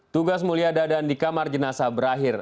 tugas mulia dadan di kamar jenazah berakhir